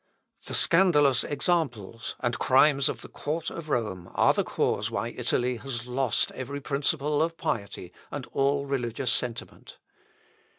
The scandalous examples and crimes of the court of Rome are the cause why Italy has lost every principle of piety and all religious sentiment.